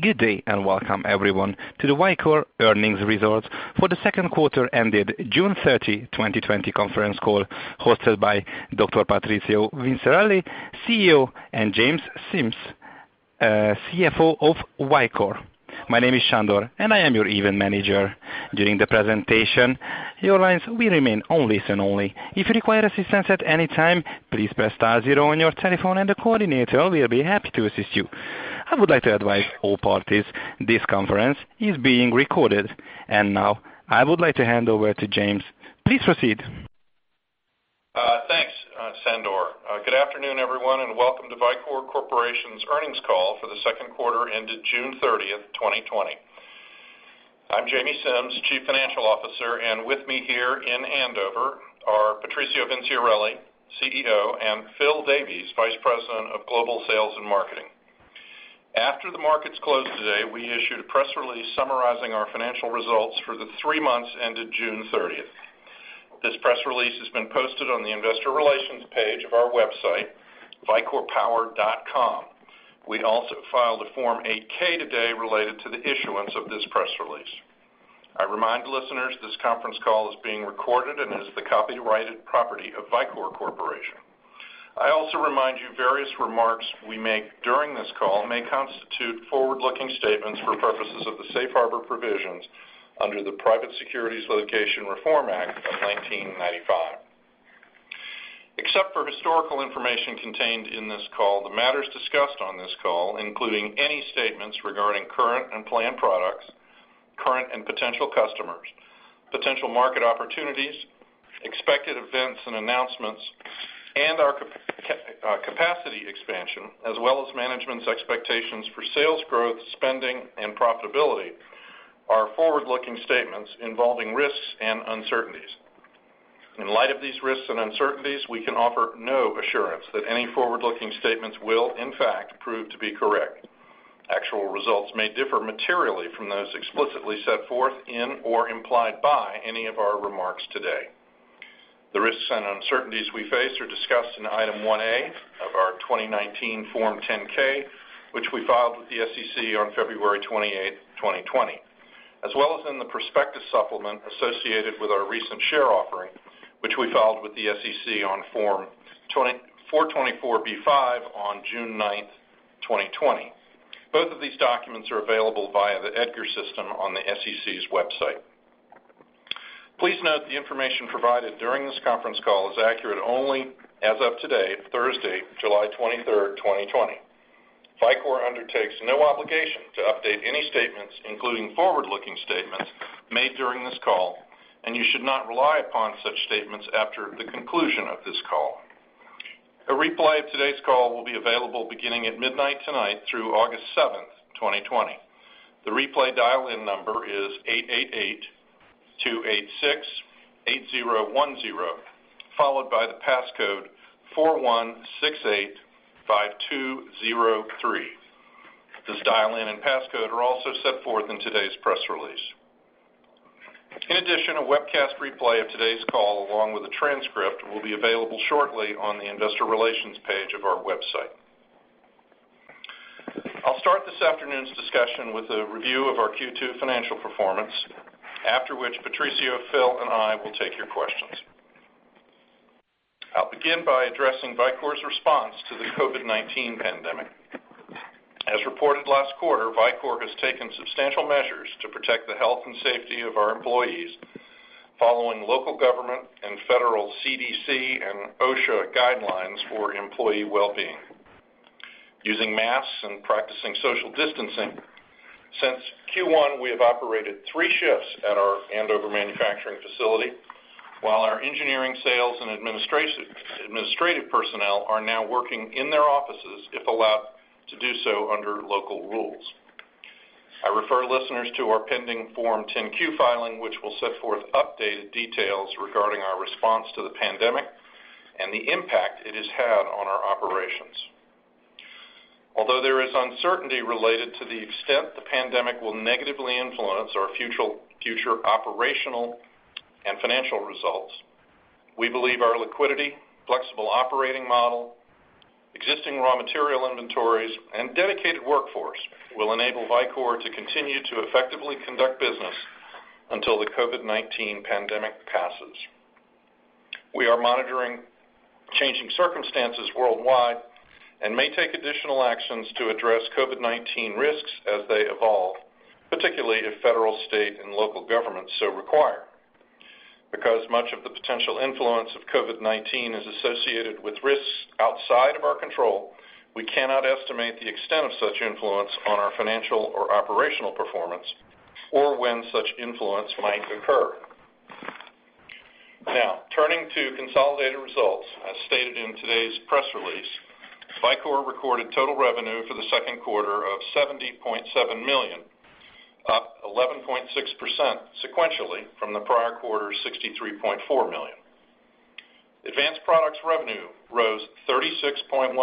Good day, and welcome everyone to the Vicor Earnings Results for the second quarter ended June 30, 2020 conference call hosted by Dr. Patrizio Vinciarelli, CEO, and James Simms, CFO of Vicor. My name is Chandor, and I am your event manager. During the presentation, your lines will remain on listen only. If you require assistance at any time, please press star zero on your telephone and the coordinator will be happy to assist you. I would like to advise all parties this conference is being recorded. Now I would like to hand over to James. Please proceed. Thanks, Chandor. Good afternoon, everyone, and welcome to Vicor Corporation's earnings call for the second quarter ended June 30th, 2020. I'm James Simms, Chief Financial Officer, and with me here in Andover are Patrizio Vinciarelli, CEO, and Phil Davies, Vice President of Global Sales and Marketing. After the markets closed today, we issued a press release summarizing our financial results for the three months ended June 30th. This press release has been posted on the investor relations page of our website, vicorpower.com. We also filed a Form 8-K today related to the issuance of this press release. I remind listeners this conference call is being recorded and is the copyrighted property of Vicor Corporation. I also remind you various remarks we make during this call may constitute forward-looking statements for purposes of the safe harbor provisions under the Private Securities Litigation Reform Act of 1995. Except for historical information contained in this call, the matters discussed on this call, including any statements regarding current and planned products, current and potential customers, potential market opportunities, expected events and announcements, and our capacity expansion, as well as management's expectations for sales growth, spending, and profitability, are forward-looking statements involving risks and uncertainties. In light of these risks and uncertainties, we can offer no assurance that any forward-looking statements will in fact prove to be correct. Actual results may differ materially from those explicitly set forth in or implied by any of our remarks today. The risks and uncertainties we face are discussed in Item 1A of our 2019 Form 10-K, which we filed with the SEC on February 28, 2020, as well as in the prospectus supplement associated with our recent share offering, which we filed with the SEC on Form 424-B5 on June 9th, 2020. Both of these documents are available via the EDGAR system on the SEC's website. Please note the information provided during this conference call is accurate only as of today, Thursday, July 23rd, 2020. Vicor undertakes no obligation to update any statements, including forward-looking statements made during this call, and you should not rely upon such statements after the conclusion of this call. A replay of today's call will be available beginning at midnight tonight through August 7th, 2020. The replay dial-in number is 888-286-8010, followed by the passcode 41685203. This dial-in and passcode are also set forth in today's press release. In addition, a webcast replay of today's call along with a transcript will be available shortly on the investor relations page of our website. I'll start this afternoon's discussion with a review of our Q2 financial performance, after which Patrizio, Phil, and I will take your questions. I'll begin by addressing Vicor's response to the COVID-19 pandemic. As reported last quarter, Vicor has taken substantial measures to protect the health and safety of our employees following local government and federal CDC and OSHA guidelines for employee well-being. Using masks and practicing social distancing, since Q1, we have operated three shifts at our Andover manufacturing facility, while our engineering, sales, and administrative personnel are now working in their offices if allowed to do so under local rules. I refer listeners to our pending Form 10-Q filing, which will set forth updated details regarding our response to the pandemic and the impact it has had on our operations. Although there is uncertainty related to the extent the pandemic will negatively influence our future operational and financial results, we believe our liquidity, flexible operating model, existing raw material inventories, and dedicated workforce will enable Vicor to continue to effectively conduct business until the COVID-19 pandemic passes. We are monitoring changing circumstances worldwide and may take additional actions to address COVID-19 risks as they evolve, particularly if federal, state, and local governments so require. Because much of the potential influence of COVID-19 is associated with risks outside of our control, we cannot estimate the extent of such influence on our financial or operational performance or when such influence might occur. Now, turning to consolidated results. As stated in today's press release, Vicor recorded total revenue for the second quarter of $70.7 million, up 11.6% sequentially from the prior quarter's $63.4 million. Advanced products revenue rose 36.1%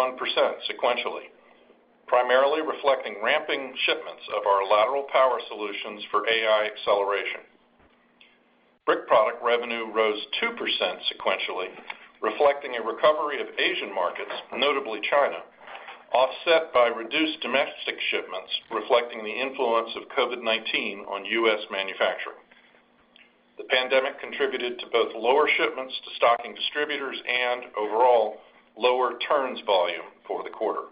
sequentially, primarily reflecting ramping shipments of our lateral power solutions for AI acceleration. Brick products revenue rose 2% sequentially, reflecting a recovery of Asian markets, notably China, offset by reduced domestic shipments reflecting the influence of COVID-19 on U.S. manufacturing. The pandemic contributed to both lower shipments to stocking distributors and overall lower turns volume for the quarter.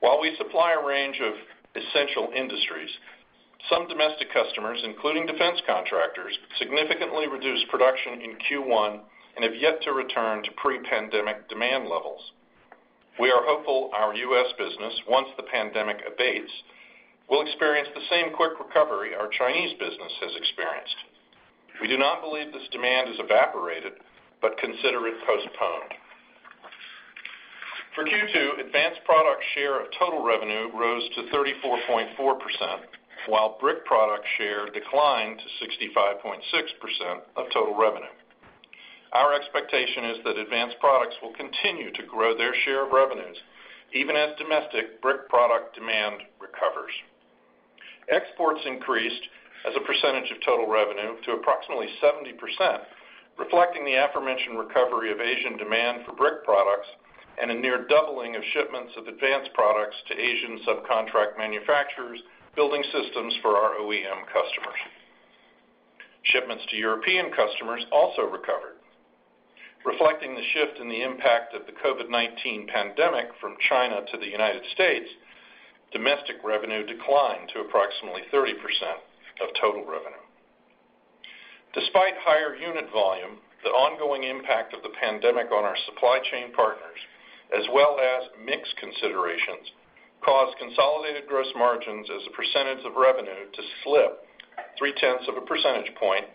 While we supply a range of essential industries, some domestic customers, including defense contractors, significantly reduced production in Q1 and have yet to return to pre-pandemic demand levels. We are hopeful our U.S. business, once the pandemic abates, will experience the same quick recovery our Chinese business has experienced. We do not believe this demand has evaporated but consider it postponed. For Q2, advanced product share of total revenue rose to 34.4%, while brick product share declined to 65.6% of total revenue. Our expectation is that advanced products will continue to grow their share of revenues, even as domestic brick product demand recovers. Exports increased as a percentage of total revenue to approximately 70%, reflecting the aforementioned recovery of Asian demand for brick products and a near doubling of shipments of advanced products to Asian subcontract manufacturers building systems for our OEM customers. Shipments to European customers also recovered. Reflecting the shift in the impact of the COVID-19 pandemic from China to the U.S., domestic revenue declined to approximately 30% of total revenue. Despite higher unit volume, the ongoing impact of the pandemic on our supply chain partners, as well as mix considerations, caused consolidated gross margins as a percentage of revenue to slip three-tenths of a percentage point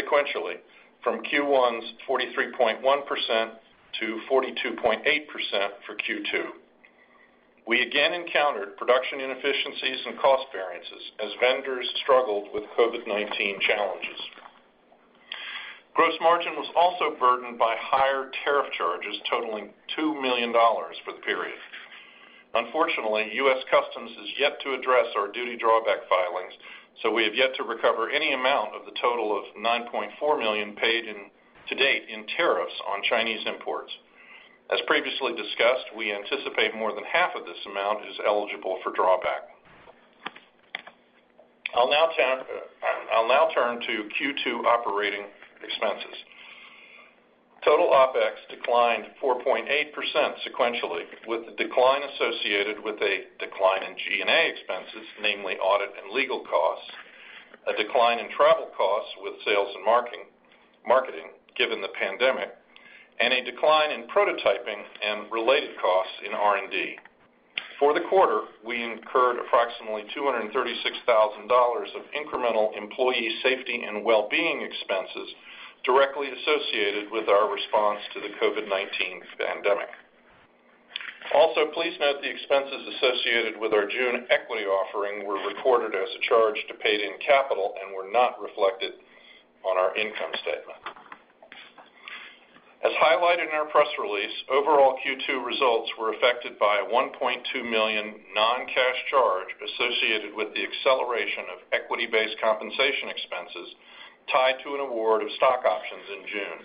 sequentially from Q1's 43.1% to 42.8% for Q2. We again encountered production inefficiencies and cost variances as vendors struggled with COVID-19 challenges. Gross margin was also burdened by higher tariff charges totaling $2 million for the period. Unfortunately, U.S. Customs has yet to address our duty drawback filings, so we have yet to recover any amount of the total of $9.4 million paid to date in tariffs on Chinese imports. As previously discussed, we anticipate more than half of this amount is eligible for drawback. I'll now turn to Q2 operating expenses. Total OpEx declined 4.8% sequentially, with the decline associated with a decline in G&A expenses, namely audit and legal costs, a decline in travel costs with sales and marketing, given the pandemic, and a decline in prototyping and related costs in R&D. For the quarter, we incurred approximately $236,000 of incremental employee safety and well-being expenses directly associated with our response to the COVID-19 pandemic. Also, please note the expenses associated with our June equity offering were recorded as a charge to paid-in capital and were not reflected on our income statement. As highlighted in our press release, overall Q2 results were affected by a $1.2 million non-cash charge associated with the acceleration of equity-based compensation expenses tied to an award of stock options in June.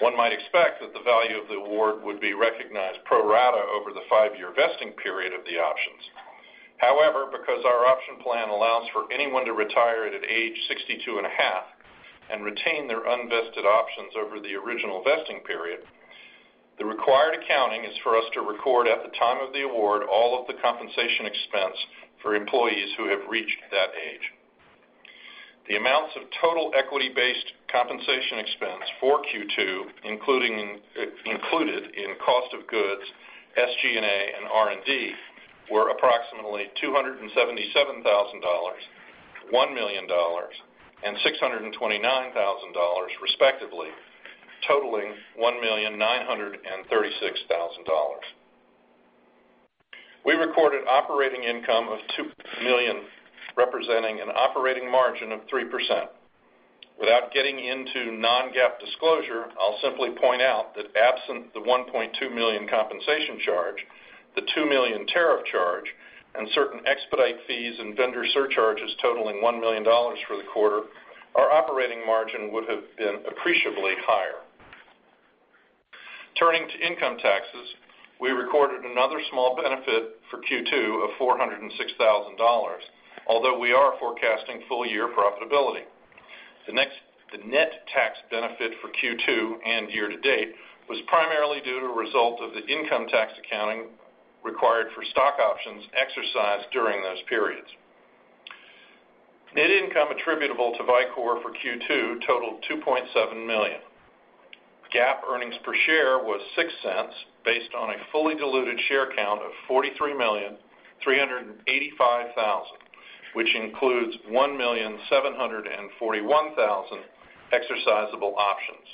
One might expect that the value of the award would be recognized pro rata over the five-year vesting period of the options. However, because our option plan allows for anyone to retire at age 62 and a half and retain their unvested options over the original vesting period, the required accounting is for us to record at the time of the award all of the compensation expense for employees who have reached that age. The amounts of total equity-based compensation expense for Q2 included in cost of goods, SG&A, and R&D were approximately $277,000, $1 million, and $629,000 respectively, totaling $1,936,000. We recorded operating income of $2 million, representing an operating margin of 3%. Without getting into non-GAAP disclosure, I'll simply point out that absent the $1.2 million compensation charge, the $2 million tariff charge, and certain expedite fees and vendor surcharges totaling $1 million for the quarter, our operating margin would have been appreciably higher. Turning to income taxes, we recorded another small benefit for Q2 of $406,000, although we are forecasting full-year profitability. The net tax benefit for Q2 and year to date was primarily due to result of the income tax accounting required for stock options exercised during those periods. Net income attributable to Vicor for Q2 totaled $2.7 million. GAAP earnings per share was $0.06, based on a fully diluted share count of 43,385,000, which includes 1,741,000 exercisable options.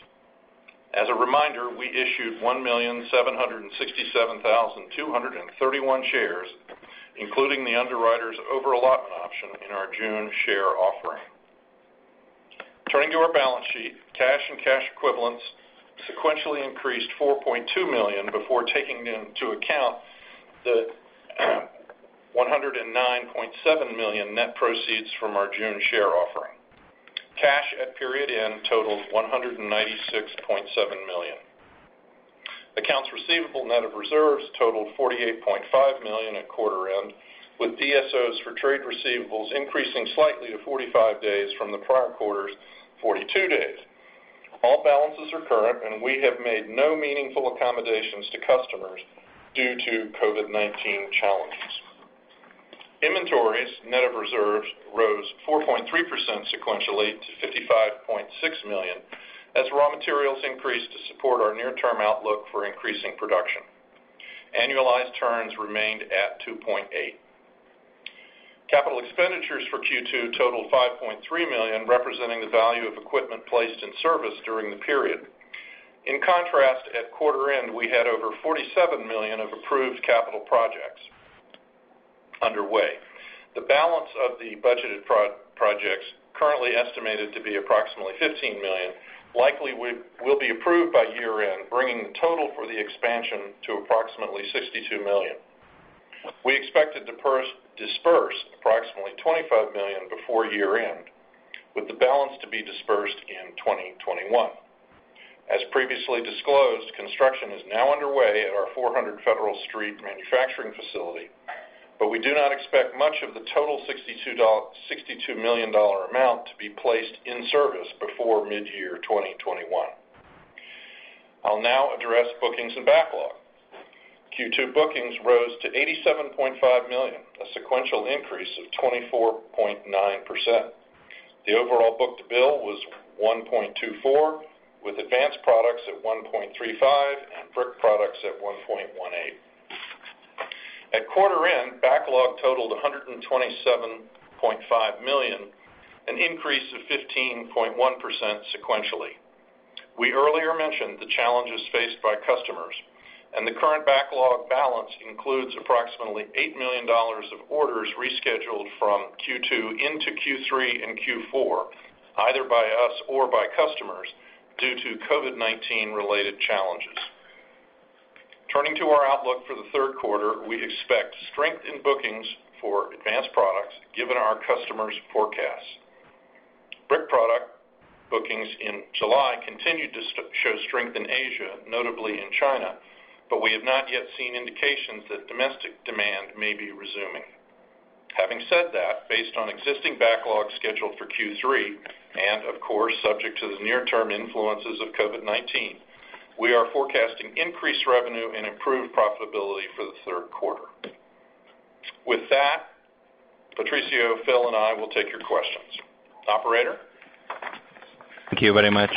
As a reminder, we issued 1,767,231 shares, including the underwriter's over-allotment option in our June share offering. Turning to our balance sheet, cash and cash equivalents sequentially increased $4.2 million before taking into account the $109.7 million net proceeds from our June share offering. Cash at period end totaled $196.7 million. Accounts receivable net of reserves totaled $48.5 million at quarter end, with DSOs for trade receivables increasing slightly to 45 days from the prior quarter's 42 days. All balances are current, and we have made no meaningful accommodations to customers due to COVID-19 challenges. Inventories, net of reserves, rose 4.3% sequentially to $55.6 million as raw materials increased to support our near-term outlook for increasing production. Annualized turns remained at 2.8. Capital expenditures for Q2 totaled $5.3 million, representing the value of equipment placed in service during the period. In contrast, at quarter end, we had over $47 million of approved capital projects underway. The balance of the budgeted projects, currently estimated to be approximately $15 million, likely will be approved by year-end, bringing the total for the expansion to approximately $62 million. We expect to disburse approximately $25 million before year-end, with the balance to be disbursed in 2021. As previously disclosed, construction is now underway at our 400 Federal Street manufacturing facility, but we do not expect much of the total $62 million amount to be placed in service before mid-year 2021. I'll now address bookings and backlog. Q2 bookings rose to $87.5 million, a sequential increase of 24.9%. The overall book-to-bill was 1.24, with advanced products at 1.35 and brick products at 1.18. At quarter end, backlog totaled $127.5 million, an increase of 15.1% sequentially. We earlier mentioned the challenges faced by customers, and the current backlog balance includes approximately $8 million of orders rescheduled from Q2 into Q3 and Q4, either by us or by customers, due to COVID-19-related challenges. Turning to our outlook for the third quarter, we expect strength in bookings for advanced products given our customers' forecasts. Brick product bookings in July continued to show strength in Asia, notably in China, we have not yet seen indications that domestic demand may be resuming. Having said that, based on existing backlog scheduled for Q3, and of course, subject to the near-term influences of COVID-19, we are forecasting increased revenue and improved profitability for the third quarter. With that, Patrizio, Phil, and I will take your questions. Operator? Thank you very much.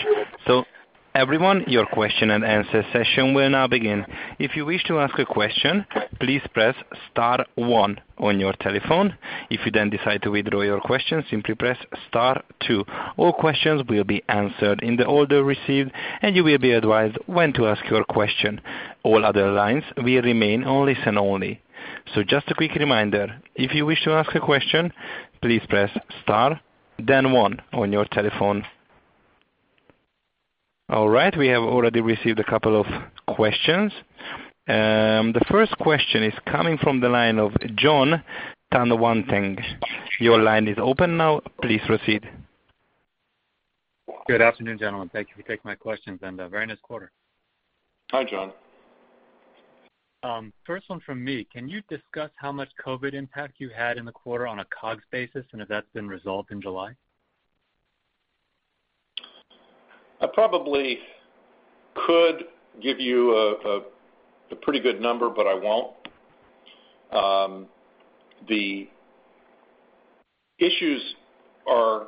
Everyone, your question-and-answer session will now begin. If you wish to ask a question, please press star one on your telephone. If you then decide to withdraw your question, simply press star two. All questions will be answered in the order received, and you will be advised when to ask your question. All other lines will remain on listen only. Just a quick reminder, if you wish to ask a question, please press star, then one on your telephone. All right. We have already received a couple of questions. The first question is coming from the line of Jon Tanwanteng. Your line is open now. Please proceed. Good afternoon, gentlemen. Thank you for taking my questions, and a very nice quarter. Hi, Jon. First one from me. Can you discuss how much COVID impact you had in the quarter on a COGS basis, and has that been resolved in July? I probably could give you a pretty good number, but I won't. The issues are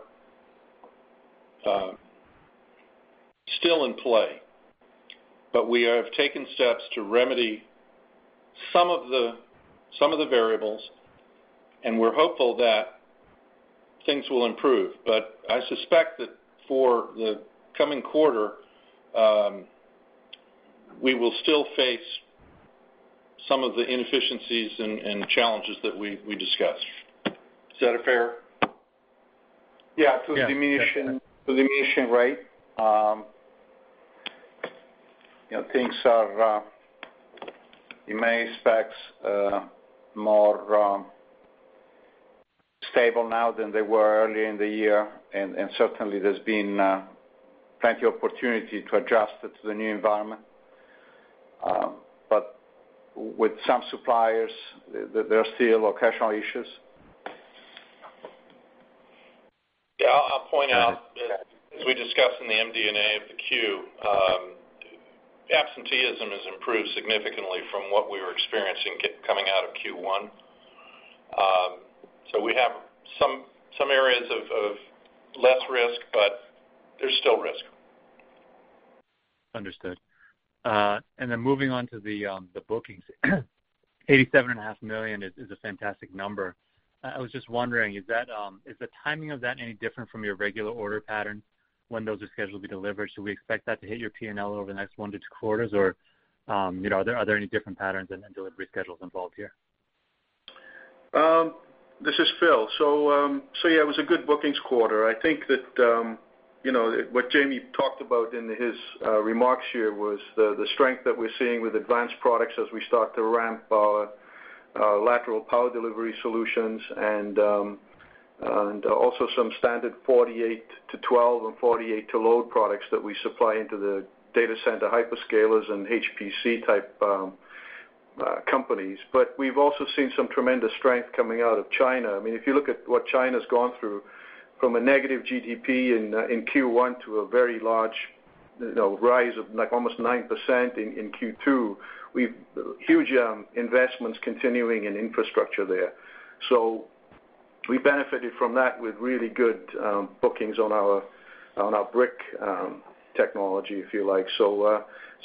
still in play, but we have taken steps to remedy some of the variables, and we're hopeful that things will improve. I suspect that for the coming quarter, we will still face some of the inefficiencies and challenges that we discussed. Is that fair? Yeah. To a diminishing rate. Things are, in many respects, more stable now than they were earlier in the year, and certainly there's been plenty of opportunity to adjust to the new environment. With some suppliers, there are still occasional issues. Yeah, I'll point out that as we discussed in the MD&A of the Q, absenteeism has improved significantly from what we were experiencing coming out of Q1. We have some areas of less risk, but there's still risk. Understood. Then moving on to the bookings. $87.5 million is a fantastic number. I was just wondering, is the timing of that any different from your regular order pattern when those are scheduled to be delivered? Should we expect that to hit your P&L over the next one to two quarters, or are there any different patterns in the delivery schedules involved here? This is Phil. Yeah, it was a good bookings quarter. I think that what Jamie talked about in his remarks here was the strength that we're seeing with advanced products as we start to ramp our Lateral Power Delivery solutions and also some standard 48 to 12 and 48 to load products that we supply into the data center hyperscalers and HPC-type companies. We've also seen some tremendous strength coming out of China. If you look at what China's gone through from a negative GDP in Q1 to a very large rise of like almost 9% in Q2, huge investments continuing in infrastructure there. We benefited from that with really good bookings on our brick technology, if you like.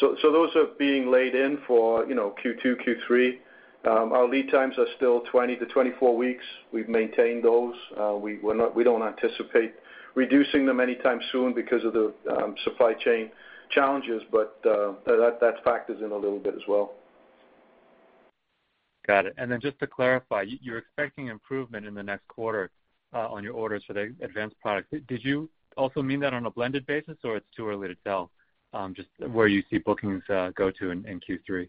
Those are being laid in for Q2, Q3. Our lead times are still 20-24 weeks. We've maintained those. We don't anticipate reducing them anytime soon because of the supply chain challenges, but that factors in a little bit as well. Got it. Then just to clarify, you're expecting improvement in the next quarter on your orders for the advanced product. Did you also mean that on a blended basis, or it's too early to tell, just where you see bookings go to in Q3?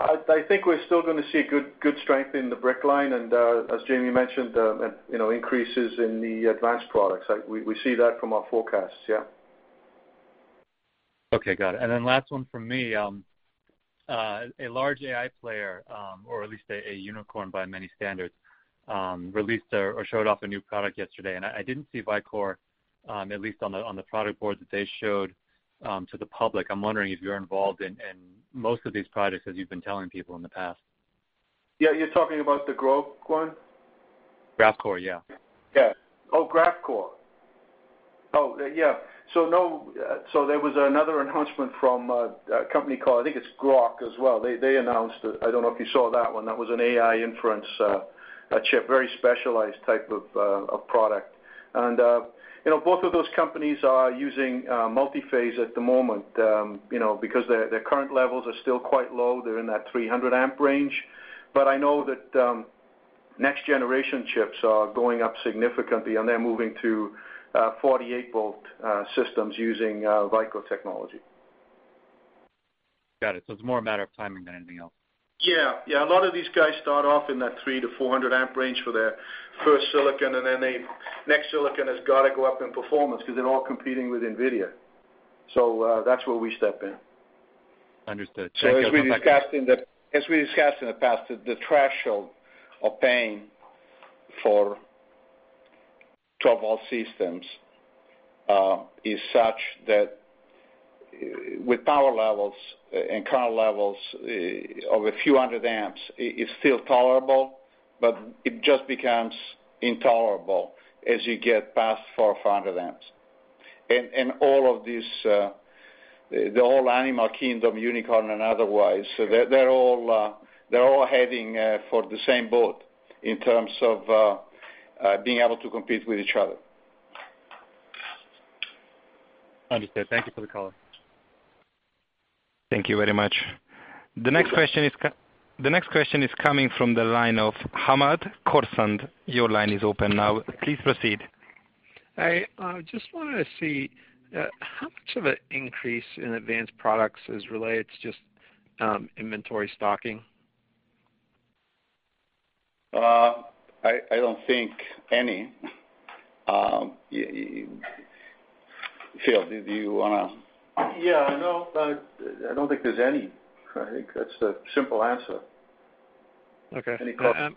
I think we're still going to see good strength in the brick line and, as Jamie mentioned, increases in the advanced products. We see that from our forecasts, yeah. Okay, got it. Last one from me. A large AI player, or at least a unicorn by many standards, released or showed off a new product yesterday, and I didn't see Vicor, at least on the product board that they showed to the public. I'm wondering if you're involved in most of these products, as you've been telling people in the past. Yeah, you're talking about the Groq one? Graphcore, yeah. Yeah. Oh, Graphcore. Oh, yeah. No. There was another announcement from a company called, I think it's Groq as well. They announced it. I don't know if you saw that one. That was an AI inference chip, very specialized type of product. Both of those companies are using multi-phase at the moment, because their current levels are still quite low. They're in that 300-amp range. I know that next-generation chips are going up significantly, and they're moving to 48 V systems using Vicor technology. Got it. It's more a matter of timing than anything else. Yeah. A lot of these guys start off in that 300-400-amp range for their first silicon, and then the next silicon has got to go up in performance because they're all competing with NVIDIA. That's where we step in. Understood. Thank you- As we discussed in the past, the threshold of pain for 12 V systems is such that with power levels and current levels of a few hundred amps, it's still tolerable, but it just becomes intolerable as you get past 400, 500 amps. All of these, the whole animal kingdom, unicorn and otherwise, they're all heading for the same boat in terms of being able to compete with each other. Understood. Thank you for the call. Thank you very much. The next question is coming from the line of Hamed Khorsand. Your line is open now. Please proceed. I just wanted to see how much of an increase in advanced products is related to just inventory stocking. I don't think any. Phil, do you want to? Yeah, no, I don't think there's any. I think that's a simple answer. Okay. Any comment.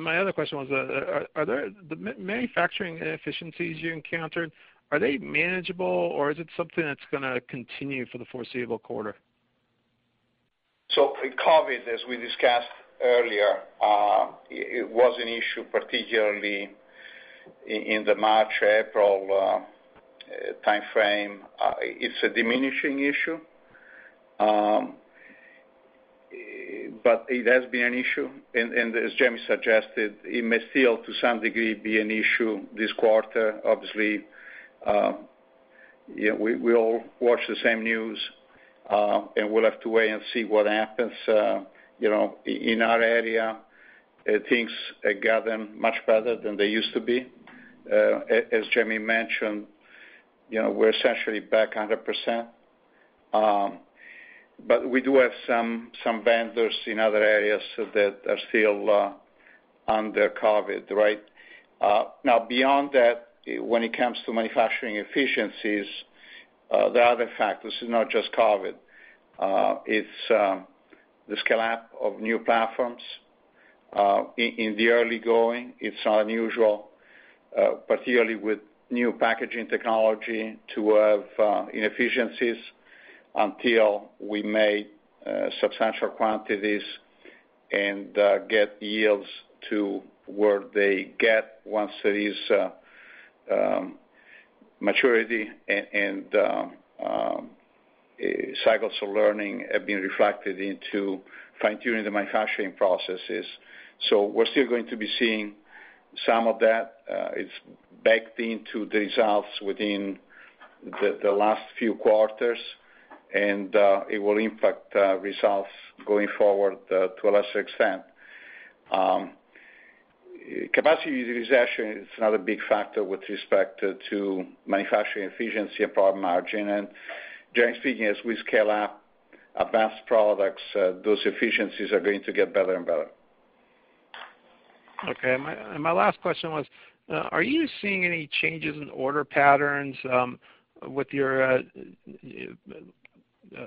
My other question was, the manufacturing inefficiencies you encountered, are they manageable, or is it something that's going to continue for the foreseeable quarter? With COVID, as we discussed earlier, it was an issue, particularly in the March, April timeframe. It's a diminishing issue, but it has been an issue. As Jamie suggested, it may still, to some degree, be an issue this quarter. Obviously, we all watch the same news, and we'll have to wait and see what happens. In our area, things are getting much better than they used to be. As Jamie mentioned, we're essentially back 100%, but we do have some vendors in other areas that are still under COVID, right? Beyond that, when it comes to manufacturing efficiencies, there are other factors. It's not just COVID. It's the scale-up of new platforms. In the early going, it's unusual, particularly with new packaging technology, to have inefficiencies until we make substantial quantities and get yields to where they get once there is maturity and cycles of learning have been reflected into fine-tuning the manufacturing processors. We're still going to be seeing. Some of that is baked into the results within the last few quarters, and it will impact results going forward to a lesser extent. Capacity utilization is another big factor with respect to manufacturing efficiency and product margin. Jamie's thinking as we scale up advanced products, those efficiencies are going to get better and better. Okay. My last question was, are you seeing any changes in order patterns with your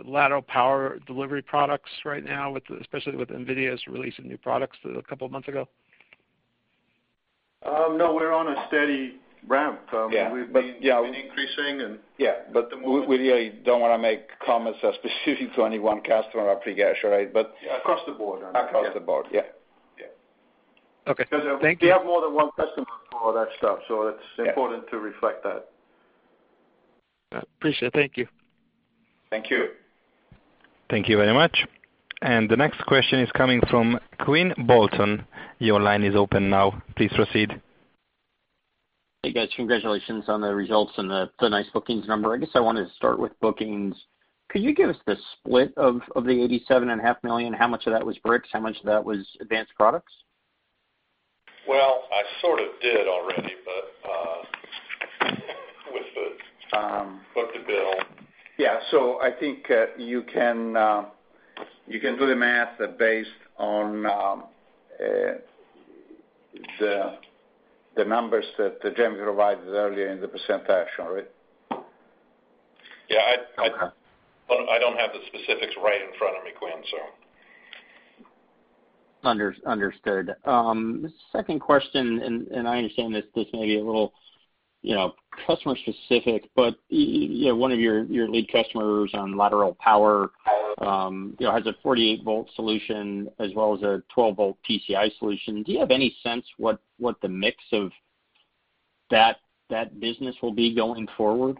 Lateral Power Delivery products right now, especially with NVIDIA's release of new products a couple of months ago? No, we're on a steady ramp. Yeah. We've been- Yeah. increasing. Yeah, we really don't want to make comments as specific to any one customer, I appreciate, right? Across the board. Across the board. Yeah. Yeah. Okay. Thank you. We have more than one customer for that stuff. Yeah important to reflect that. Appreciate it. Thank you. Thank you. Thank you very much. The next question is coming from Quinn Bolton. Your line is open now. Please proceed. Hey, guys. Congratulations on the results and the nice bookings number. I guess I wanted to start with bookings. Could you give us the split of the $87.5 million? How much of that was bricks, how much of that was advanced products? Well, I sort of did already, but with the book-to-bill. Yeah. I think you can do the math based on the numbers that Jamie provided earlier in the presentation, right? Yeah. Okay. I don't have the specifics right in front of me, Quinn. Understood. The second question, I understand this may be a little customer-specific, but one of your lead customers on Lateral Power has a 48 V solution as well as a 12 V PCIe solution. Do you have any sense what the mix of that business will be going forward?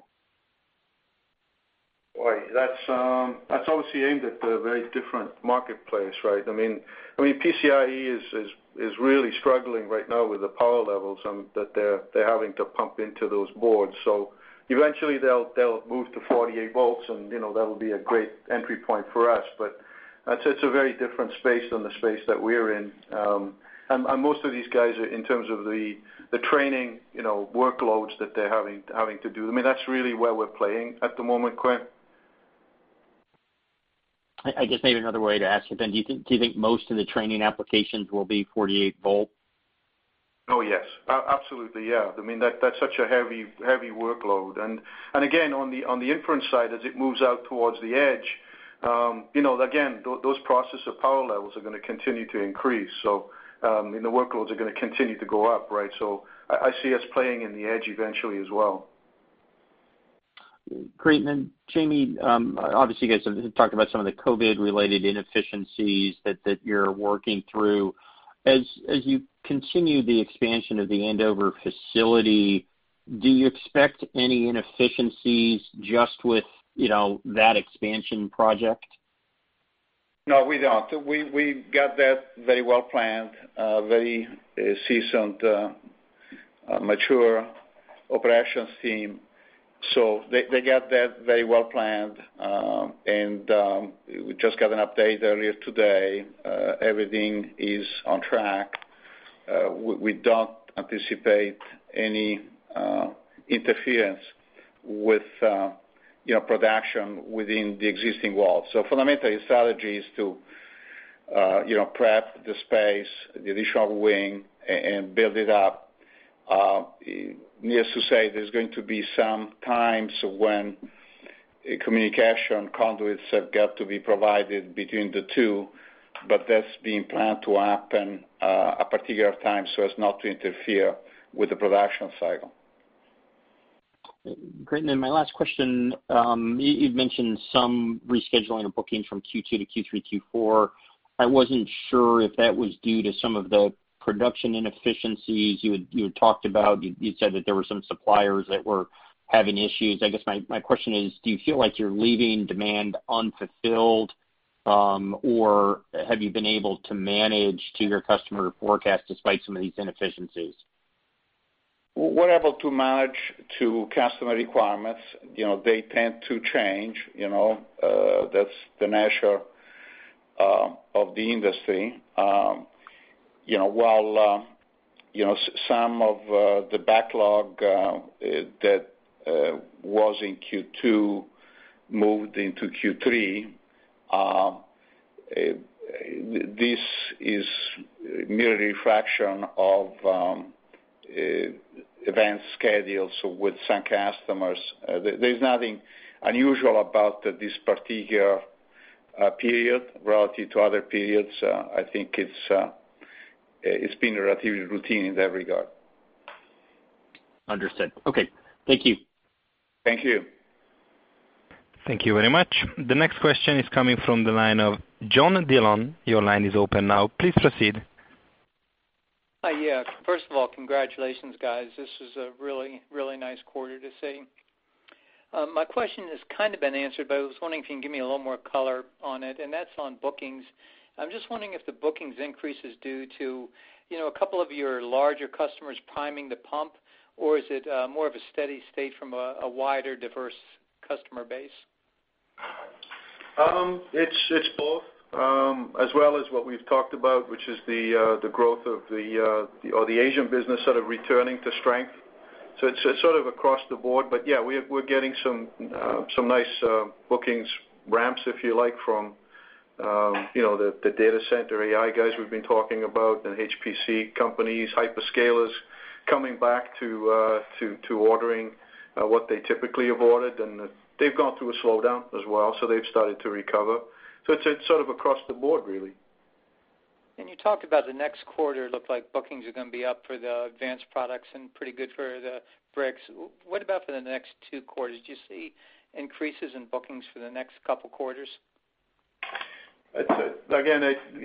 Boy, that's obviously aimed at a very different marketplace, right? I mean, PCIe is really struggling right now with the power levels that they're having to pump into those boards. Eventually they'll move to 48 V, and that'll be a great entry point for us, but I'd say it's a very different space than the space that we're in. Most of these guys, in terms of the training workloads that they're having to do, I mean, that's really where we're playing at the moment, Quinn. I guess maybe another way to ask it then, do you think most of the training applications will be 48 V? Oh, yes. Absolutely, yeah. I mean, that's such a heavy workload. Again, on the inference side, as it moves out towards the edge, again, those processor power levels are going to continue to increase. The workloads are going to continue to go up, right? I see us playing in the edge eventually as well. Great. Jamie, obviously you guys have talked about some of the COVID-related inefficiencies that you're working through. As you continue the expansion of the Andover facility, do you expect any inefficiencies just with that expansion project? No, we don't. We got that very well planned, very seasoned, mature operations team. They got that very well planned. We just got an update earlier today, everything is on track. We don't anticipate any interference with production within the existing walls. Fundamental strategy is to prep the space, the additional wing, and build it up. Needless to say, there's going to be some times when communication conduits have got to be provided between the two, but that's being planned to happen a particular time so as not to interfere with the production cycle. Great. My last question, you've mentioned some rescheduling of bookings from Q2 to Q3, Q4. I wasn't sure if that was due to some of the production inefficiencies you had talked about. You said that there were some suppliers that were having issues. I guess my question is, do you feel like you're leaving demand unfulfilled? Have you been able to manage to your customer forecast despite some of these inefficiencies? We're able to manage to customer requirements. They tend to change, that's the nature of the industry. While some of the backlog that was in Q2 moved into Q3, this is merely a fraction of advanced schedules with some customers. There's nothing unusual about this particular period relative to other periods. I think it's been relatively routine in that regard. Understood. Okay. Thank you. Thank you. Thank you very much. The next question is coming from the line of Jon Dillon. Your line is open now. Please proceed. Yeah. First of all, congratulations, guys. This is a really nice quarter to see. My question has kind of been answered, I was wondering if you can give me a little more color on it, and that's on bookings. I'm just wondering if the bookings increase is due to a couple of your larger customers priming the pump, or is it more of a steady state from a wider diverse customer base? It's both. As well as what we've talked about, which is the growth of the Asian business sort of returning to strength. It's sort of across the board. Yeah, we're getting some nice bookings ramps, if you like, from the data center AI guys we've been talking about and HPC companies, hyperscalers coming back to ordering what they typically have ordered. They've gone through a slowdown as well, so they've started to recover. It's sort of across the board, really. You talked about the next quarter looked like bookings are going to be up for the advanced products and pretty good for the bricks. What about for the next two quarters? Do you see increases in bookings for the next couple quarters?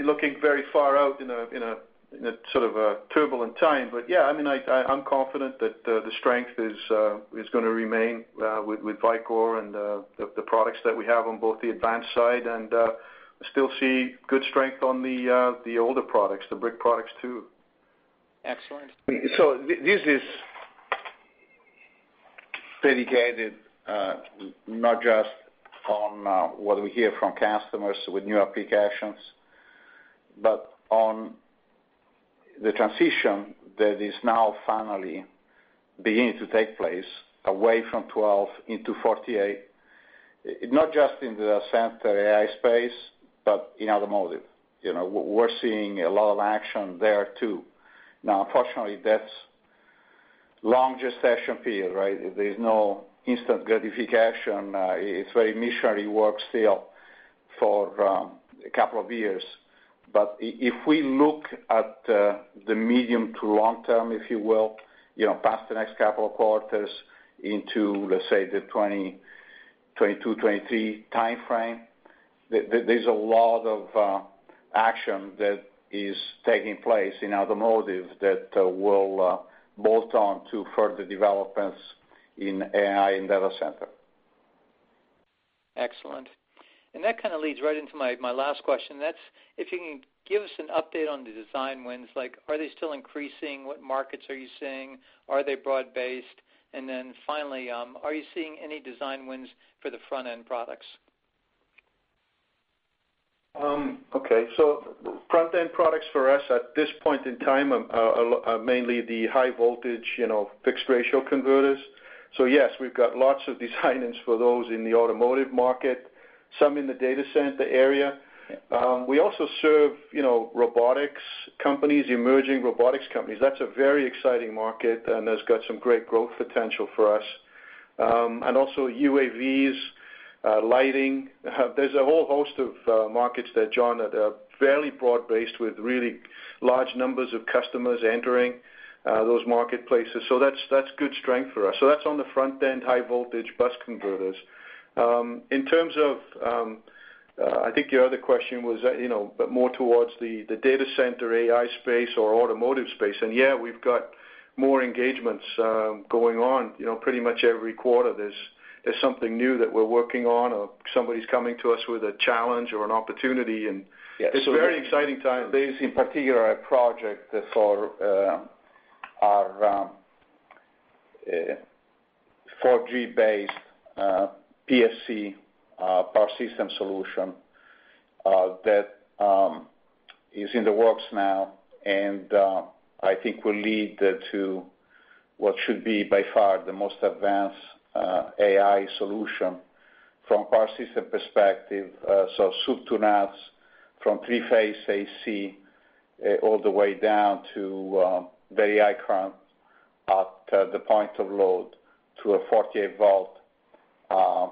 Looking very far out in a sort of a turbulent time, but yeah, I'm confident that the strength is going to remain with Vicor and the products that we have on both the advanced side, and I still see good strength on the older products, the brick products, too. Excellent. This is dedicated not just on what we hear from customers with new applications, but on the transition that is now finally beginning to take place away from 12 into 48, not just in the data center AI space, but in automotive. We're seeing a lot of action there, too. Unfortunately, that's longer gestation period, right? There's no instant gratification. It's very missionary work still for a couple of years. If we look at the medium to long term, if you will, past the next couple of quarters into, let's say, the 2022, 2023 time frame, there's a lot of action that is taking place in automotive that will bolt on to further developments in AI and data center. Excellent. That kind of leads right into my last question. That's if you can give us an update on the design wins, like are they still increasing? What markets are you seeing? Are they broad based? Then finally, are you seeing any design wins for the front-end products? Okay. Front-end products for us at this point in time are mainly the high voltage fixed ratio converters. Yes, we've got lots of design wins for those in the automotive market, some in the data center area. We also serve robotics companies, emerging robotics companies. That's a very exciting market, and that's got some great growth potential for us. Also UAVs, lighting. There's a whole host of markets there, Jon, that are fairly broad based with really large numbers of customers entering those marketplaces. That's good strength for us. That's on the front end, high voltage bus converters. In terms of, I think your other question was more towards the data center AI space or automotive space. Yeah, we've got more engagements going on. Pretty much every quarter, there's something new that we're working on, or somebody's coming to us with a challenge or an opportunity, and it's a very exciting time. There is in particular a project for our 48 V based PSiP power system solution that is in the works now and I think will lead to what should be by far the most advanced AI solution from power system perspective. Soup to nuts from three-phase AC all the way down to very high current at the point of load to a 48 V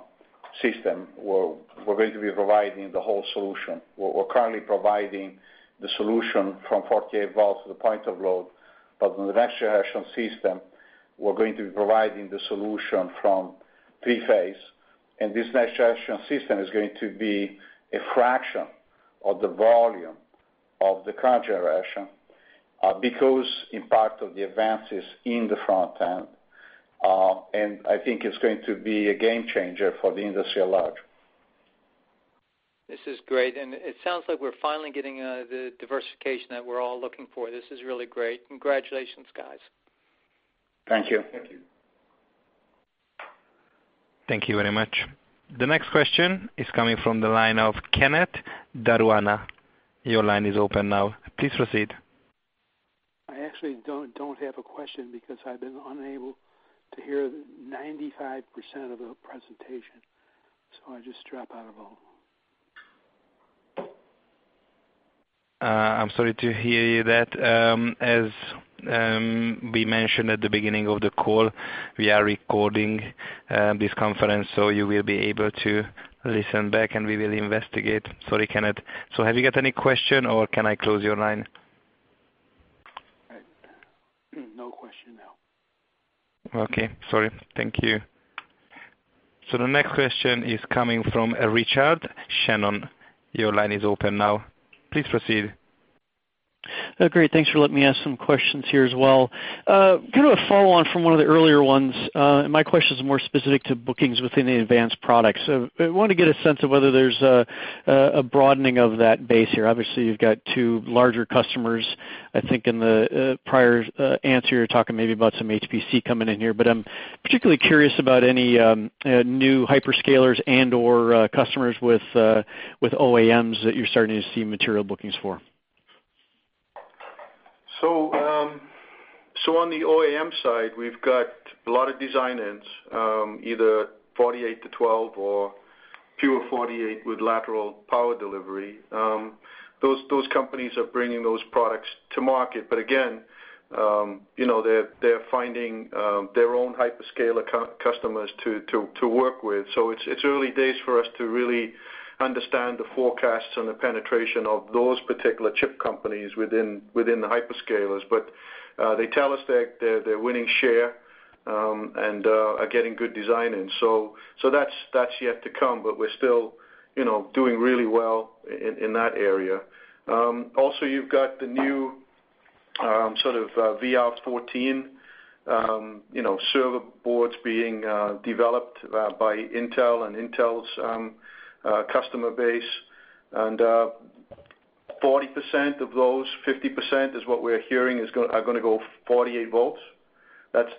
system. We're going to be providing the whole solution. We're currently providing the solution from 48 V to the point of load, but in the next generation system, we're going to be providing the solution from three-phase, and this next generation system is going to be a fraction of the volume of the current generation because in part of the advances in the front end. I think it's going to be a game changer for the industry at large. This is great. It sounds like we're finally getting the diversification that we're all looking for. This is really great. Congratulations, guys. Thank you. Thank you. Thank you very much. The next question is coming from the line of Kenneth Caruana. Your line is open now. Please proceed. I actually don't have a question because I've been unable to hear 95% of the presentation, so I just drop out of all. I'm sorry to hear that. As we mentioned at the beginning of the call, we are recording this conference, so you will be able to listen back, and we will investigate. Sorry, Kenneth. Have you got any question, or can I close your line? No question now. Okay. Sorry. Thank you. The next question is coming from Richard Shannon. Your line is open now. Please proceed. Great. Thanks for letting me ask some questions here as well. Kind of a follow-on from one of the earlier ones. My question is more specific to bookings within the advanced products. I want to get a sense of whether there's a broadening of that base here. Obviously, you've got two larger customers, I think in the prior answer, you're talking maybe about some HPC coming in here, I'm particularly curious about any new hyperscalers and/or customers with OEMs that you're starting to see material bookings for. On the OEM side, we've got a lot of design-ins, either 48 to 12 or pure 48 with Lateral Power Delivery. Those companies are bringing those products to market. Again, they're finding their own hyperscale customers to work with. It's early days for us to really understand the forecasts and the penetration of those particular chip companies within the hyperscalers. They tell us that they're winning share, and are getting good design in. That's yet to come. We're still doing really well in that area. You've got the new sort of VR14 server boards being developed by Intel and Intel's customer base, and 40% of those, 50% is what we're hearing are going to go 48 V. That's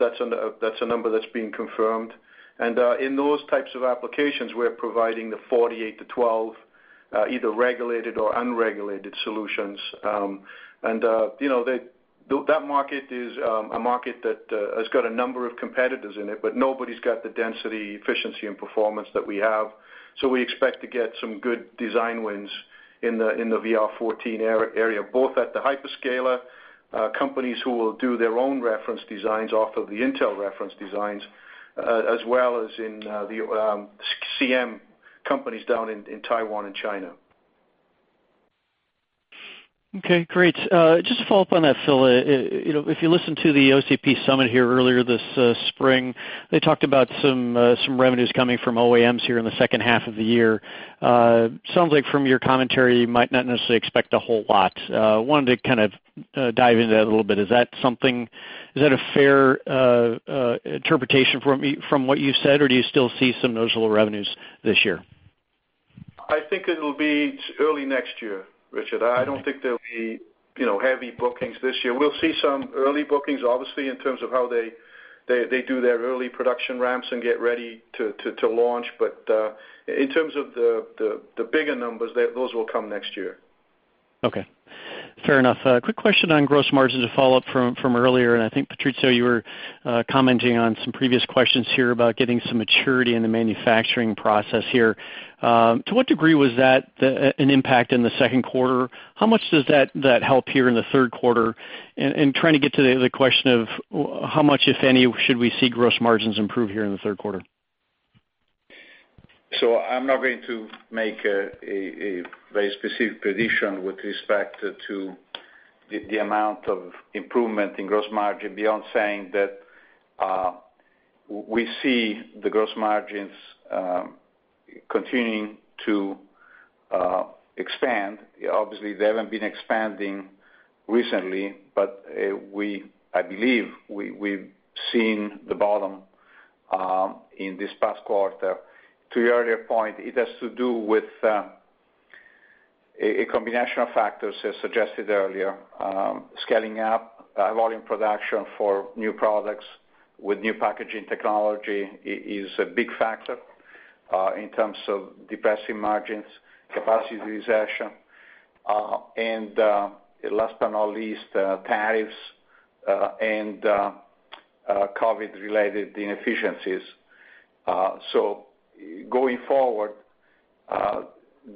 a number that's being confirmed. In those types of applications, we're providing the 48 to 12, either regulated or unregulated solutions. That market is a market that has got a number of competitors in it, but nobody's got the density, efficiency and performance that we have. We expect to get some good design wins in the VR14 area, both at the hyperscaler, companies who will do their own reference designs off of the Intel reference designs, as well as in the CM companies down in Taiwan and China. Okay, great. Just to follow up on that, Phil, if you listen to the OCP Global Summit here earlier this spring, they talked about some revenues coming from OEMs here in the second half of the year. Sounds like from your commentary, you might not necessarily expect a whole lot. I wanted to kind of dive into that a little bit. Is that a fair interpretation from what you said, or do you still see some of those little revenues this year? I think it'll be early next year, Richard. I don't think there'll be heavy bookings this year. We'll see some early bookings, obviously, in terms of how they do their early production ramps and get ready to launch. In terms of the bigger numbers, those will come next year. Okay. Fair enough. A quick question on gross margin to follow up from earlier, and I think, Patrizio, you were commenting on some previous questions here about getting some maturity in the manufacturing process here. To what degree was that an impact in the second quarter? How much does that help here in the third quarter? Trying to get to the question of how much, if any, should we see gross margins improve here in the third quarter? I'm not going to make a very specific prediction with respect to the amount of improvement in gross margin beyond saying that we see the gross margins continuing to expand. Obviously, they haven't been expanding recently, but I believe we've seen the bottom in this past quarter. To your earlier point, it has to do with a combination of factors as suggested earlier. Scaling up volume production for new products with new packaging technology is a big factor in terms of depressing margins, capacity utilization, and, last but not least, tariffs, and COVID-related inefficiencies. Going forward,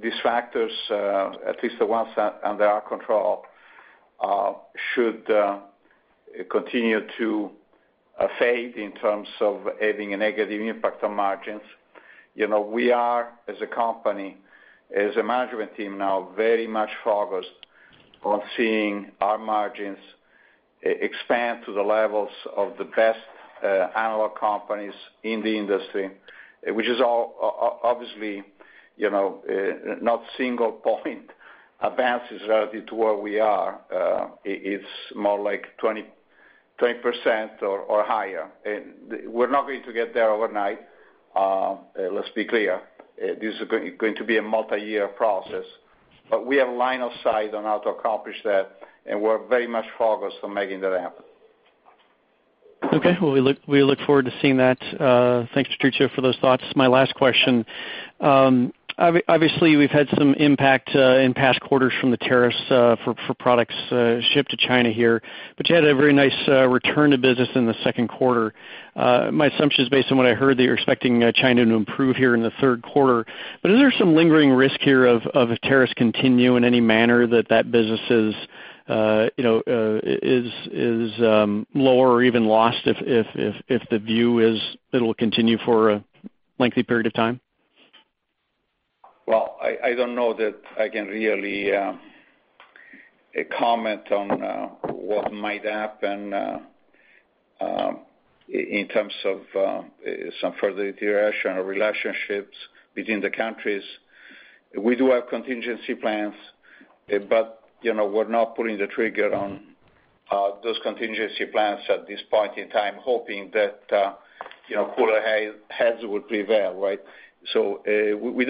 these factors, at least the ones under our control, should continue to fade in terms of having a negative impact on margins. We are, as a company, as a management team now, very much focused on seeing our margins expand to the levels of the best analog companies in the industry, which is all obviously not single point advances relative to where we are. It's more like 20% or higher. We're not going to get there overnight. Let's be clear. This is going to be a multi-year process, but we have line of sight on how to accomplish that, and we're very much focused on making that happen. Okay. Well, we look forward to seeing that. Thanks, Patrizio, for those thoughts. My last question. Obviously, we've had some impact in past quarters from the tariffs for products shipped to China here, but you had a very nice return to business in the second quarter. My assumption is based on what I heard that you're expecting China to improve here in the third quarter. Is there some lingering risk here of if tariffs continue in any manner that that business is lower or even lost if the view is it'll continue for a lengthy period of time? Well, I don't know that I can really comment on what might happen. In terms of some further deterioration of relationships between the countries, we do have contingency plans. We're not pulling the trigger on those contingency plans at this point in time, hoping that cooler heads will prevail. We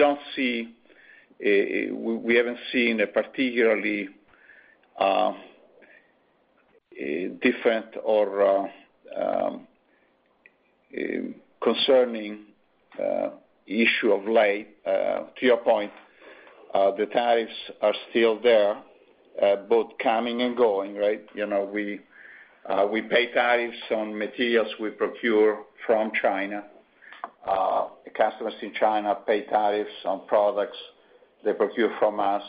haven't seen a particularly different or concerning issue of late. To your point, the tariffs are still there, both coming and going. We pay tariffs on materials we procure from China. Customers in China pay tariffs on products they procure from us.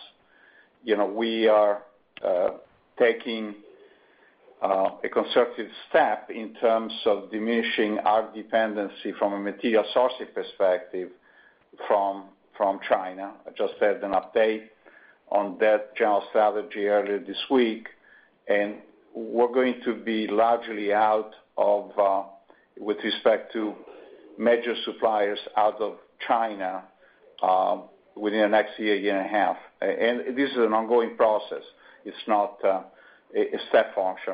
We are taking a conservative step in terms of diminishing our dependency from a material sourcing perspective from China. I just had an update on that general strategy earlier this week. We're going to be largely out with respect to major suppliers out of China within the next year and a half. This is an ongoing process. It's not a step function.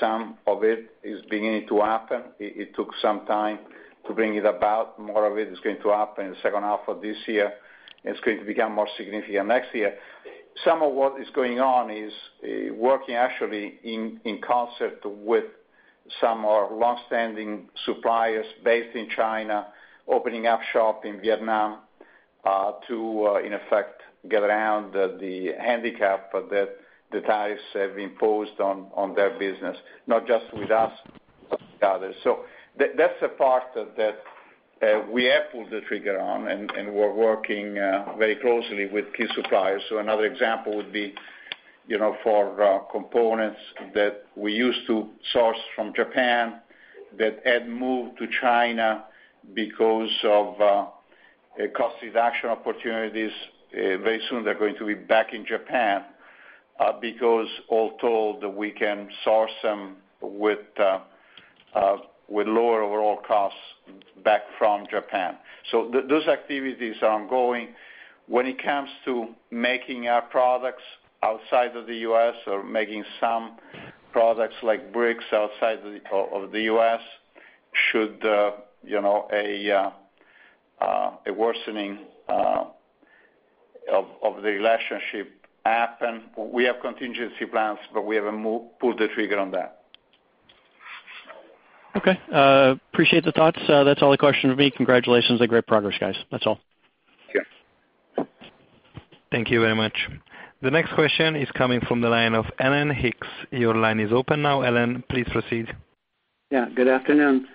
Some of it is beginning to happen. It took some time to bring it about. More of it is going to happen in the second half of this year, and it's going to become more significant next year. Some of what is going on is working actually in concert with some of our longstanding suppliers based in China, opening up shop in Vietnam, to, in effect, get around the handicap that the tariffs have imposed on their business, not just with us, but with others. That's a part that we have pulled the trigger on, and we're working very closely with key suppliers. Another example would be for components that we used to source from Japan that had moved to China because of cost reduction opportunities. Very soon, they're going to be back in Japan, because all told, we can source them with lower overall costs back from Japan. Those activities are ongoing. When it comes to making our products outside of the U.S. or making some products like bricks outside of the U.S., should a worsening of the relationship happen, we have contingency plans, but we haven't pulled the trigger on that. Okay. Appreciate the thoughts. That's all the questions for me. Congratulations on great progress, guys. That's all. Okay. Thank you very much. The next question is coming from the line of Alan Hicks. Your line is open now, Alan. Please proceed. Yeah, good afternoon.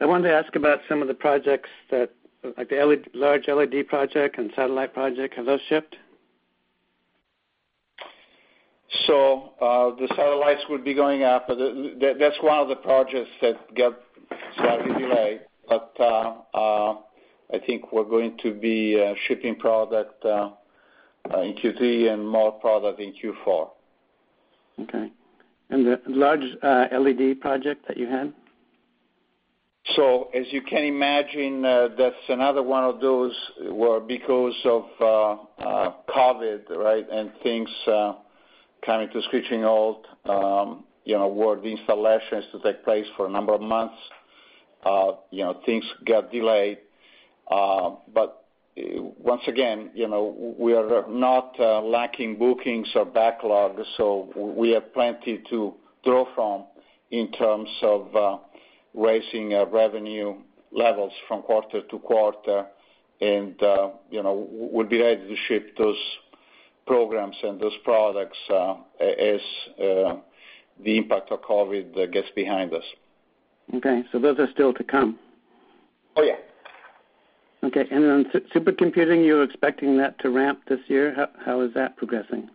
I wanted to ask about some of the projects, like the large LED project and satellite project. Have those shipped? The satellites would be going out. That's one of the projects that got slightly delayed, but I think we're going to be shipping product in Q3 and more product in Q4. Okay. The large LED project that you had? As you can imagine, that's another one of those where because of COVID and things coming to screeching halt, where the installations took place for a number of months, things got delayed. Once again, we are not lacking bookings or backlog, so we have plenty to draw from in terms of raising our revenue levels from quarter to quarter. We'll be ready to ship those programs and those products as the impact of COVID gets behind us. Okay, those are still to come? Oh, yeah. Okay. On supercomputing, you're expecting that to ramp this year? How is that progressing?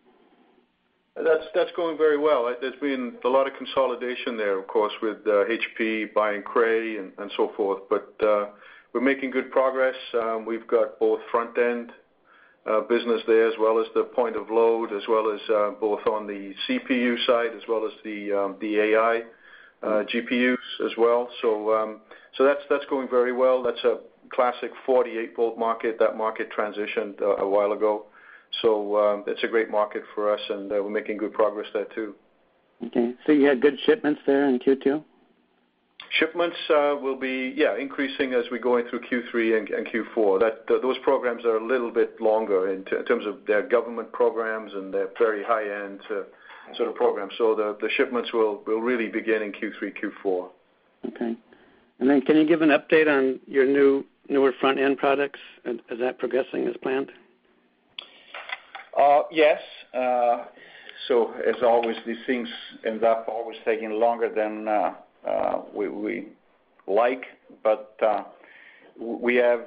That's going very well. There's been a lot of consolidation there, of course, with HPE buying Cray and so forth. We're making good progress. We've got both front-end business there, as well as the point of load, as well as both on the CPU side, as well as the AI GPUs as well. That's going very well. That's a classic 48 V market. That market transitioned a while ago. It's a great market for us, and we're making good progress there too. Okay. You had good shipments there in Q2? Shipments will be, yeah, increasing as we're going through Q3 and Q4. Those programs are a little bit longer in terms of they're government programs and they're very high-end sort of programs. The shipments will really begin in Q3, Q4. Okay. Then can you give an update on your newer front-end products? Is that progressing as planned? Yes. As always, these things end up always taking longer than we like. We have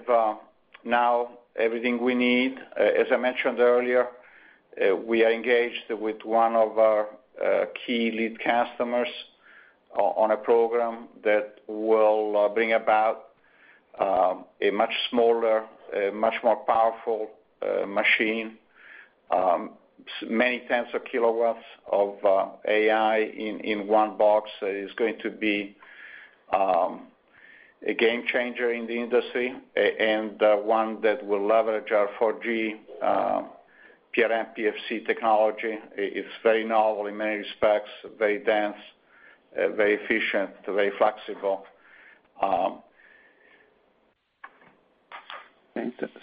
now everything we need. As I mentioned earlier, we are engaged with one of our key lead customers on a program that will bring about a much smaller, much more powerful machine. Many tens of kilowatts of AI in one box is going to be a game changer in the industry, and one that will leverage our 4G PRM PFC technology. It's very novel in many respects, very dense, very efficient, very flexible. Okay.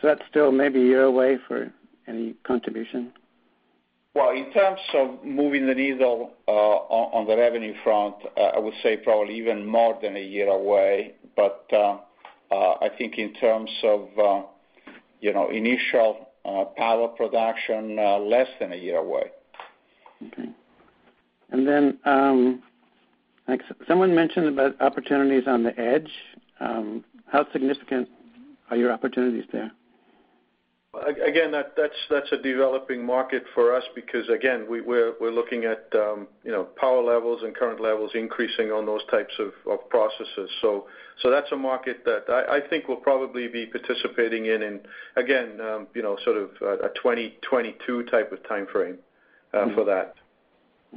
That's still maybe a year away for any contribution? In terms of moving the needle on the revenue front, I would say probably even more than a year away. I think in terms of initial power production, less than a year away. Okay. Someone mentioned about opportunities on the edge. How significant are your opportunities there? That's a developing market for us because, again, we're looking at power levels and current levels increasing on those types of processes. That's a market that I think we'll probably be participating in, again, sort of a 2022 type of timeframe for that.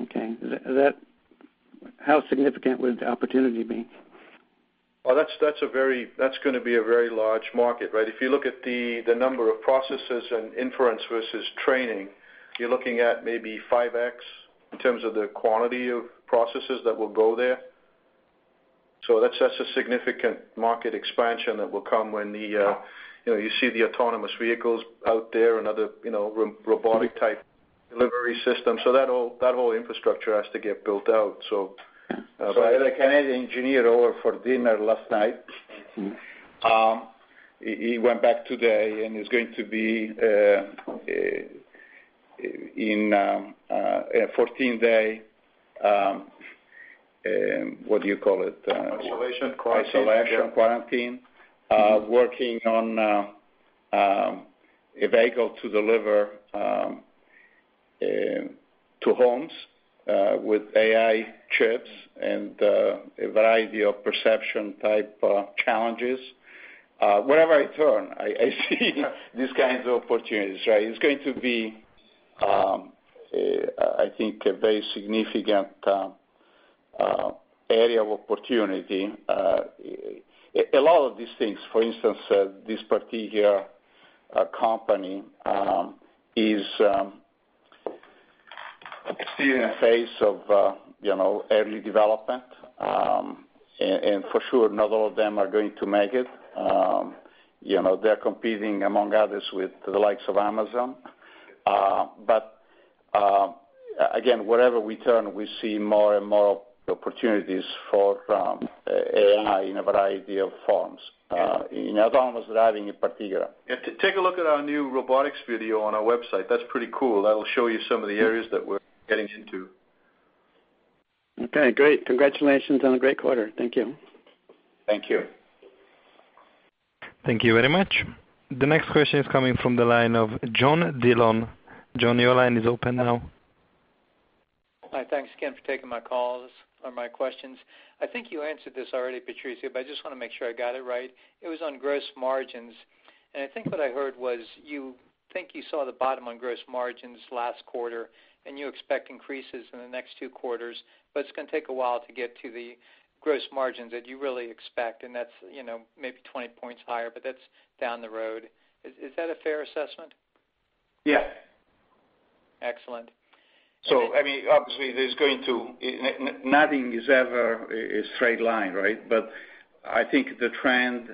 Okay. How significant would the opportunity be? That's going to be a very large market, right? If you look at the number of processes and inference versus training, you're looking at maybe 5x in terms of the quantity of processes that will go there. That's a significant market expansion that will come when you see the autonomous vehicles out there and other robotic-type delivery systems. That whole infrastructure has to get built out. I had a Canadian engineer over for dinner last night. He went back today, and he's going to be in a 14-day, what do you call it? Isolation quarantine. Yep. Isolation quarantine, working on a vehicle to deliver to homes with AI chips and a variety of perception-type challenges. Wherever I turn, I see these kinds of opportunities, right? It's going to be, I think, a very significant area of opportunity. A lot of these things for instance, this particular company is in the phase of early development. For sure, not all of them are going to make it. They're competing, among others, with the likes of Amazon. Again, wherever we turn, we see more and more opportunities for AI in a variety of forms, in autonomous driving in particular. Take a look at our new robotics video on our website. That's pretty cool. That'll show you some of the areas that we're getting into. Okay, great. Congratulations on a great quarter. Thank you. Thank you. Thank you very much. The next question is coming from the line of Jon Dillon. Jon, your line is open now. Hi. Thanks again for taking my calls or my questions. I think you answered this already, Patrizio, but I just want to make sure I got it right. It was on gross margins. I think what I heard was you think you saw the bottom on gross margins last quarter, and you expect increases in the next two quarters, but it's going to take a while to get to the gross margins that you really expect, and that's maybe 20 points higher, but that's down the road. Is that a fair assessment? Yeah. Excellent. Obviously nothing is ever a straight line, right? I think the trend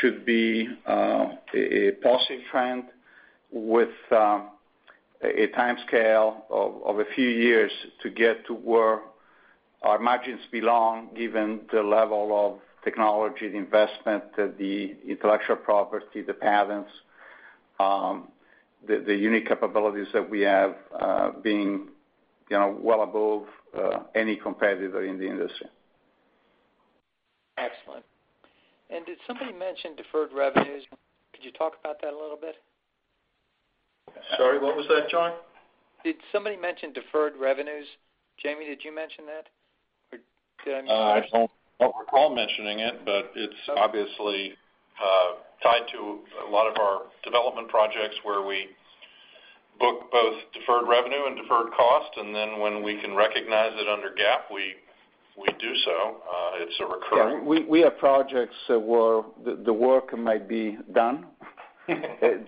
should be a positive trend with a timescale of a few years to get to where our margins belong, given the level of technology, the investment, the intellectual property, the patents, the unique capabilities that we have, being well above any competitor in the industry. Excellent. Did somebody mention deferred revenues? Could you talk about that a little bit? Sorry, what was that, Jon? Did somebody mention deferred revenues? Jamie, did you mention that? Did I miss that? I don't recall mentioning it, but it's obviously tied to a lot of our development projects where we book both deferred revenue and deferred cost, and then when we can recognize it under GAAP, we do so. It's a recurring- Yeah, we have projects where the work might be done. The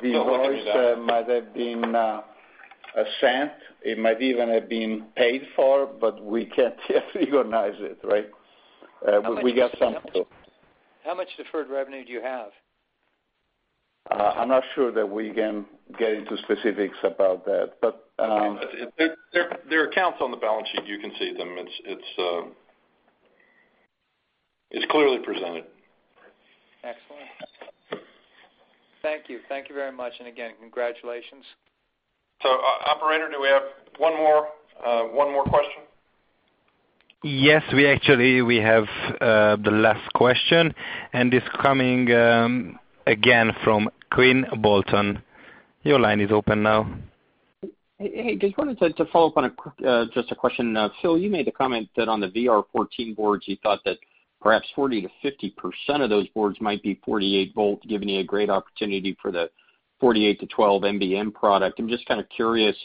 invoice might have been sent. It might even have been paid for. We can't yet recognize it, right? We got some. How much deferred revenue do you have? I'm not sure that we can get into specifics about that. They're accounts on the balance sheet. You can see them. It's clearly presented. Excellent. Thank you. Thank you very much. Again, congratulations. Operator, do we have one more question? Yes, actually, we have the last question. It's coming, again, from Quinn Bolton. Your line is open now. Hey. Just wanted to follow up on just a question. Phil, you made a comment that on the VR14 boards, you thought that perhaps 40%-50% of those boards might be 48 V, giving you a great opportunity for the 48 to 12 NBM product. I'm just kind of curious,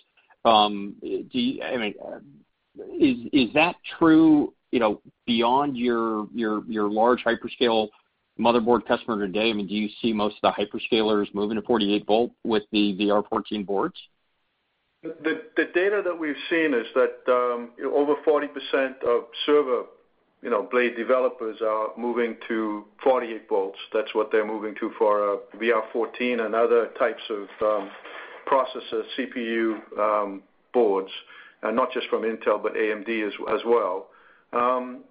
is that true beyond your large hyperscale motherboard customer today? Do you see most of the hyperscalers moving to 48 V with the VR14 boards? The data that we've seen is that over 40% of server blade developers are moving to 48 V. That's what they're moving to for VR14 and other types of processor CPU boards, and not just from Intel, but AMD as well. Sorry.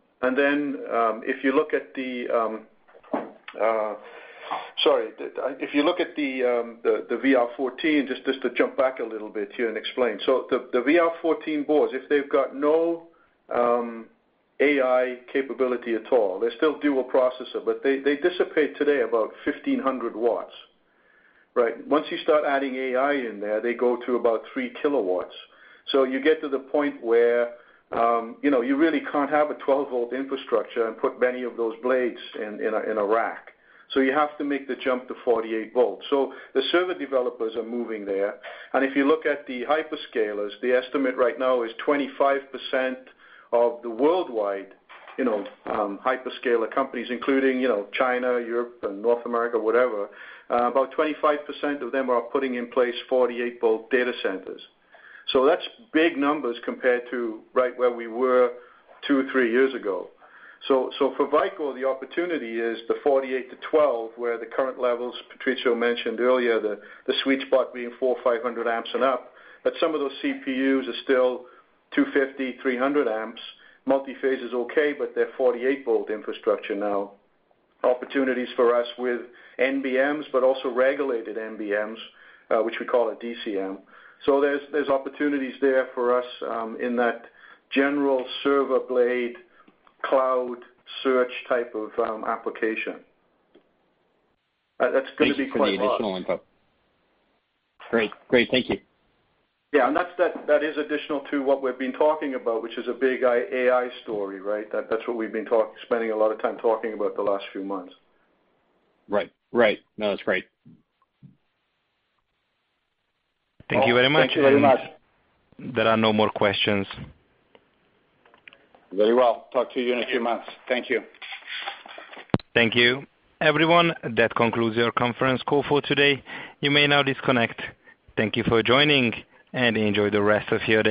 If you look at the VR14, just to jump back a little bit here and explain. The VR14 boards, if they've got no AI capability at all, they still do a processor, but they dissipate today about 1,500 W, right? Once you start adding AI in there, they go to about 3 kW. You get to the point where you really can't have a 12 V infrastructure and put many of those blades in a rack. You have to make the jump to 48 V. The server developers are moving there. If you look at the hyperscalers, the estimate right now is 25% of the worldwide hyperscaler companies, including China, Europe, and North America, about 25% of them are putting in place 48 V data centers. That's big numbers compared to right where we were two or three years ago. For Vicor, the opportunity is the 48 to 12, where the current levels Patrizio mentioned earlier, the sweet spot being 400, 500 amps and up. Some of those CPUs are still 250, 300 amps. Multi-phase is okay, but they're 48 V infrastructure now. Opportunities for us with NBMs, but also regulated NBMs, which we call a DCM. There's opportunities there for us in that general server blade, cloud search type of application. That's going to be quite large. Thanks for the additional input. Great. Thank you. Yeah. That is additional to what we've been talking about, which is a big AI story, right? That's what we've been spending a lot of time talking about the last few months. Right. No, that's great. Thank you very much. Thank you very much. There are no more questions. Very well. Talk to you in a few months. Thank you. Thank you. Everyone, that concludes your conference call for today. You may now disconnect. Thank you for joining, and enjoy the rest of your day.